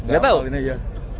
gapal ini aja